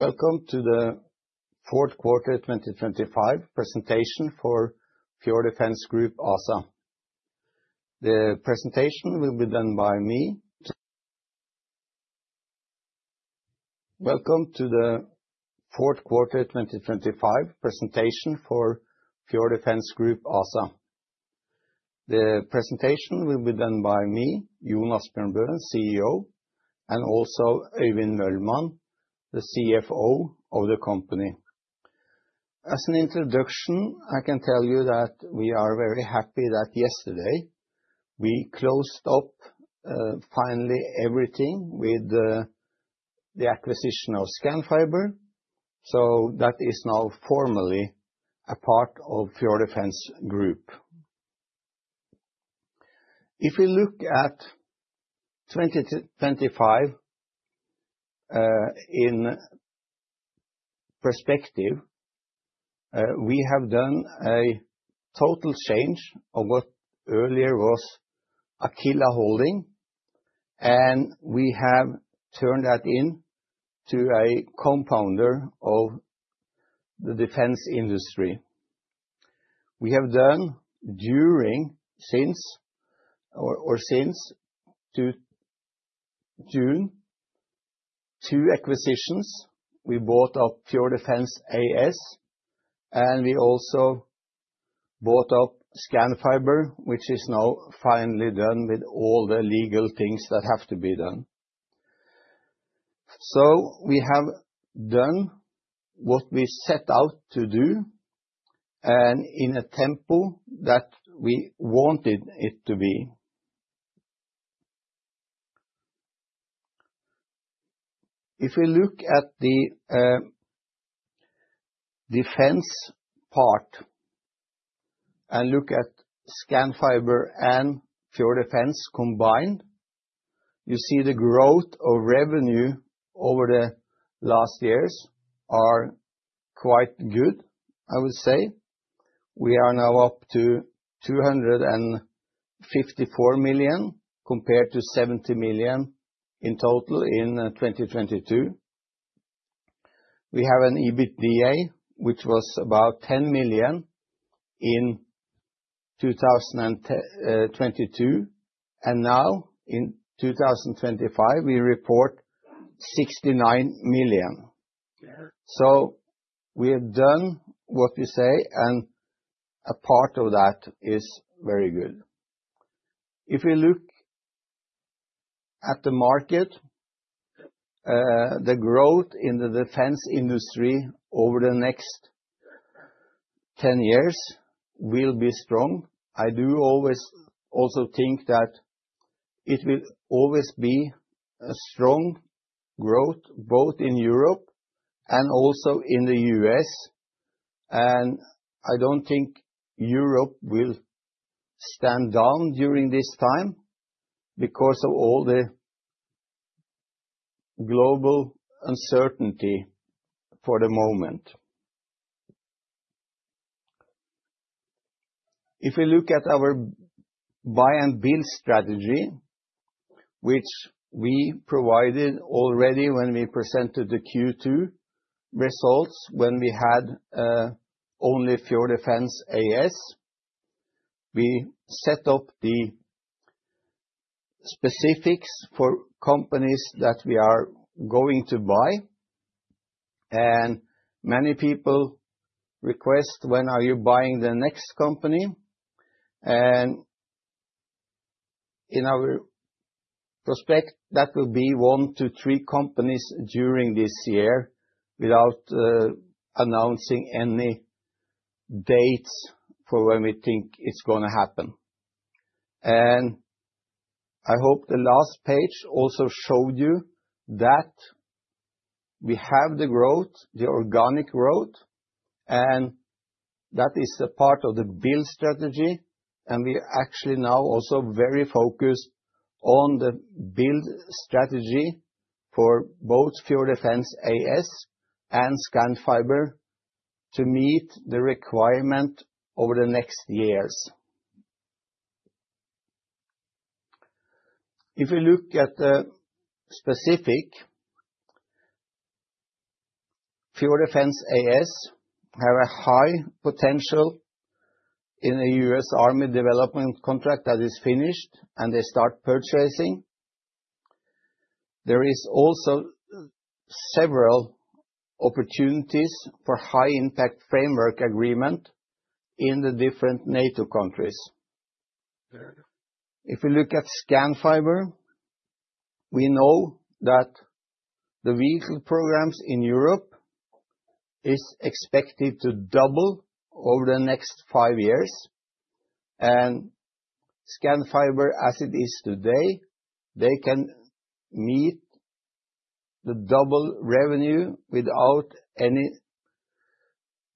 Welcome to the fourth quarter 2025 presentation for Fjord Defence Group ASA. The presentation will be done by me, Jon Asbjørn Bø, Chief Executive Officer, and also Øyvind Mølmann, the Chief Financial Officer of the company. As an introduction, I can tell you that we are very happy that yesterday we closed up finally everything with the acquisition of Scanfiber. That is now formally a part of Fjord Defence Group. If we look at 2025 in perspective, we have done a total change of what earlier was Aquila Holdings, and we have turned that into a compounder of the defense industry. We have done since June, two acquisitions. We bought up Fjord Defence AS, and we also bought up Scanfiber, which is now finally done with all the legal things that have to be done. We have done what we set out to do and in a tempo that we wanted it to be. If we look at the defense part and look at Scanfiber and Fjord Defence combined, you see the growth of revenue over the last years are quite good, I would say. We are now up to 254 million compared to 70 million in total in 2022. We have an EBITDA, which was about 10 million in 2022, and now in 2025, we report 69 million. We have done what we say, and a part of that is very good. If we look at the market, the growth in the defense industry over the next 10 years will be strong. I do always also think that it will always be a strong growth, both in Europe and also in the U.S., I don't think Europe will stand down during this time because of all the global uncertainty for the moment. If we look at our buy and build strategy, which we provided already when we presented the Q2 results, when we had only Fjord Defence AS, we set up the specifics for companies that we are going to buy. Many people request, "When are you buying the next company?" In our prospect, that will be one to three companies during this year without announcing any dates for when we think it's gonna happen. I hope the last page also showed you that we have the growth, the organic growth, and that is a part of the build strategy. We actually now also very focused on the build strategy for both Fjord Defence AS and Scanfiber to meet the requirement over the next years. If we look at the specific, Fjord Defence AS have a high potential in the U.S. Army development contract that is finished, and they start purchasing. There is also several opportunities for high impact framework agreement in the different NATO countries. If we look at Scanfiber, we know that the vehicle programs in Europe is expected to double over the next five-years. Scanfiber, as it is today, they can meet the double revenue without any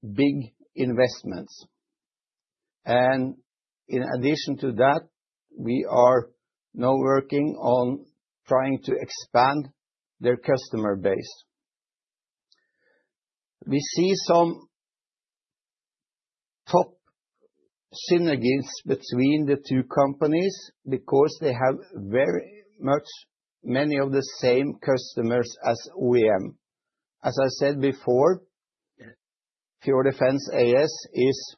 big investments. In addition to that, we are now working on trying to expand their customer base. We see some synergies between the two companies because they have very much many of the same customers as OEM. As I said before, Fjord Defence AS is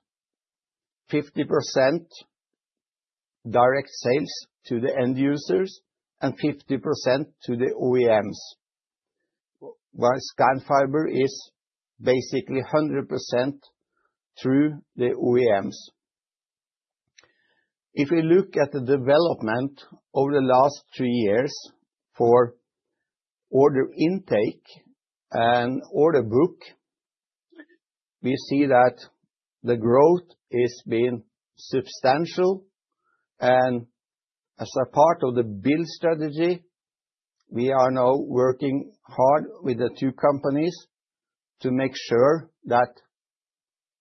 50% direct sales to the end users and 50% to the OEMs. While Scanfiber is basically 100% through the OEMs. If we look at the development over the last two-years for order intake and order book, we see that the growth is being substantial. As a part of the build strategy, we are now working hard with the two companies to make sure that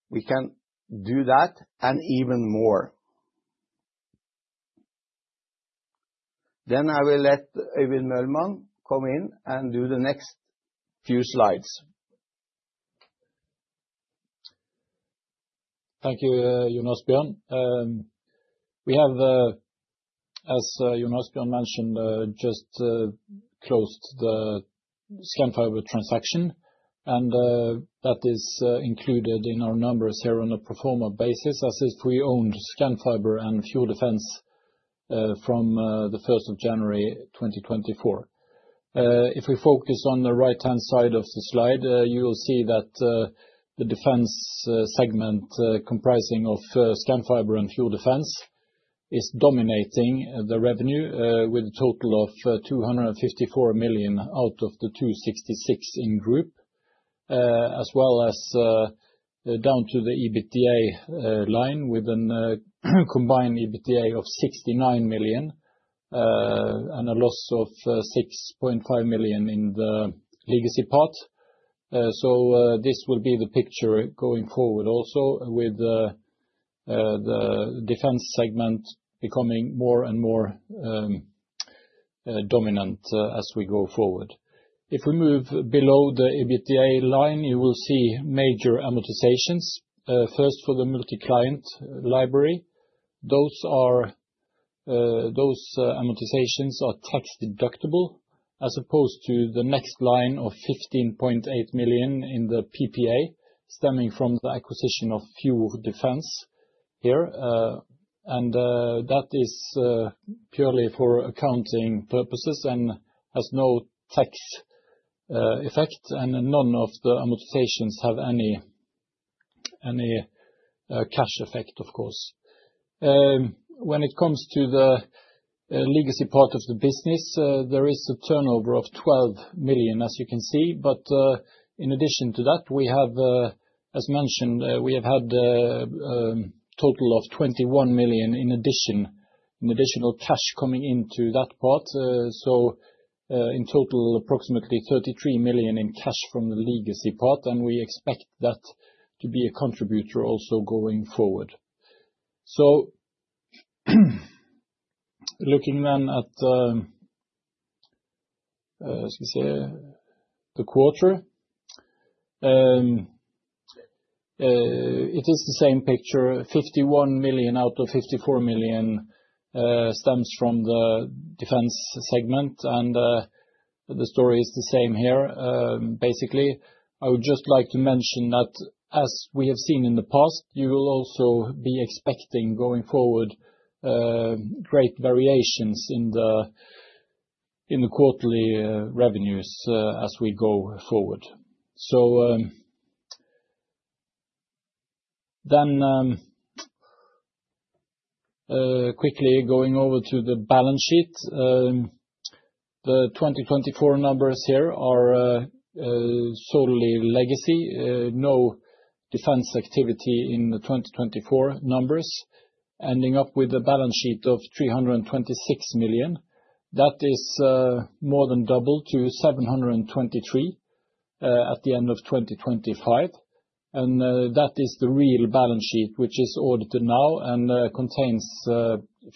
we can do that and even more. I will let Øyvind Mølmann come in and do the next few slides. Thank you, Jon Asbjørn. We have, as Jon Asbjørn mentioned, just closed the Scanfiber transaction. That is included in our numbers here on a pro forma basis, as if we owned Scanfiber and Fjord Defence, from the first of January, 2024. If we focus on the right-hand side of the slide, you will see that the defense segment, comprising of Scanfiber and Fjord Defence is dominating the revenue with a total of 254 million out of the 266 in Group. As well as down to the EBITDA line with an combined EBITDA of 69 million, and a loss of 6.5 million in the legacy part. This will be the picture going forward also with the defense segment becoming more and more dominant as we go forward. If we move below the EBITDA line, you will see major amortizations. First for the multi-client library. Those amortizations are tax-deductible, as opposed to the next line of 15.8 million in the PPA, stemming from the acquisition of Fjord Defence here. And that is purely for accounting purposes and has no tax effect, and none of the amortizations have any cash effect, of course. When it comes to the legacy part of the business, there is a turnover of 12 million, as you can see. in addition to that, we have, as mentioned, we have had total of 21 million in addition, an additional cash coming into that part. in total, approximately 33 million in cash from the legacy part, and we expect that to be a contributor also going forward. looking then at, let's see, the quarter. it is the same picture, 51 million out of 54 million stems from the defense segment. the story is the same here. basically, I would just like to mention that as we have seen in the past, you will also be expecting going forward, great variations in the quarterly revenues, as we go forward. then, quickly going over to the balance sheet. The 2024 numbers here are solely legacy, no defense activity in the 2024 numbers, ending up with a balance sheet of 326 million. That is more than double to 723 million, at the end of 2025. That is the real balance sheet, which is audited now and contains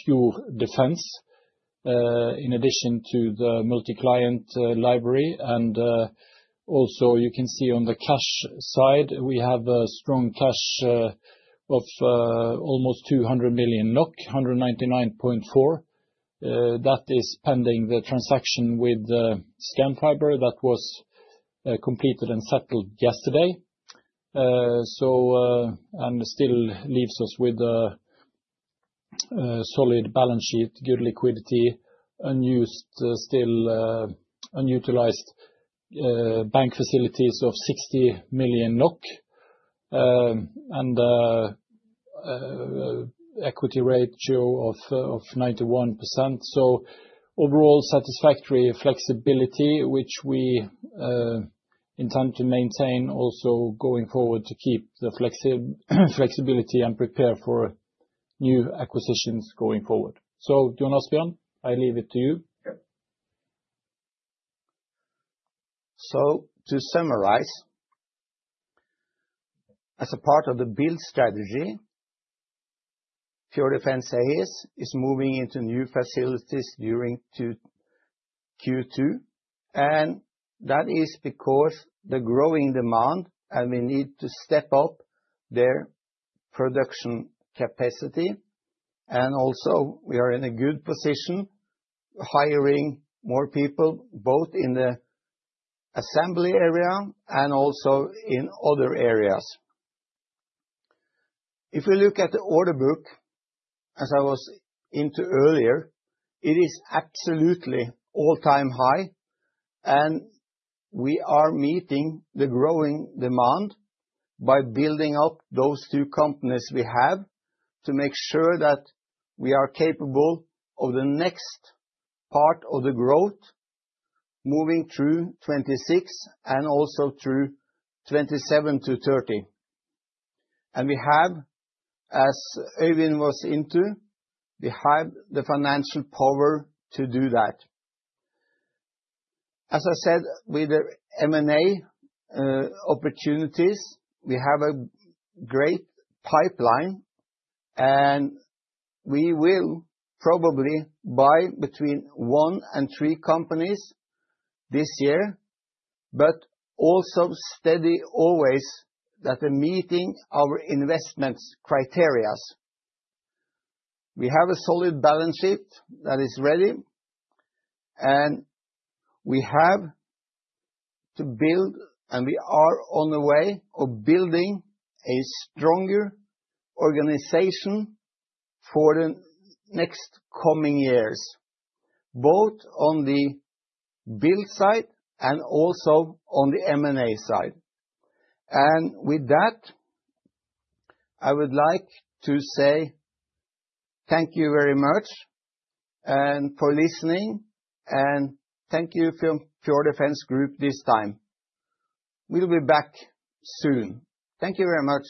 Fjord Defence in addition to the multi-client library. Also you can see on the cash side, we have a strong cash of almost 200 million NOK, 199.4. That is pending the transaction with Scanfiber that was completed and settled yesterday. And still leaves us with a solid balance sheet, good liquidity, unused, still, unutilized bank facilities of 60 million NOK, and equity ratio of 91%. Overall satisfactory flexibility, which we intend to maintain also going forward to keep the flexibility and prepare for new acquisitions going forward. Jon Asbjørn, I leave it to you. Yep. To summarize, as a part of the build strategy Fjord Defence AS is moving into new facilities during Q2, and that is because the growing demand, and we need to step up their production capacity. Also, we are in a good position, hiring more people, both in the assembly area and also in other areas. If we look at the order book, as I was into earlier, it is absolutely all-time high, and we are meeting the growing demand by building up those two companies we have to make sure that we are capable of the next part of the growth moving through 2026 and also through 2027 to 2030. We have, as Øyvind was into, we have the financial power to do that. As I said, with the M&A opportunities, we have a great pipeline, and we will probably buy between one and three companies this year, but also steady always that we're meeting our investments criteria. We have a solid balance sheet that is ready, and we have to build, and we are on the way of building a stronger organization for the next coming years, both on the build side and also on the M&A side. With that, I would like to say thank you very much and for listening. Thank you from Fjord Defence Group this time. We'll be back soon. Thank you very much